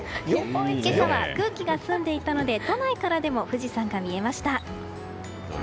今朝は空気が澄んでいたので都内からでも富士山が見えました。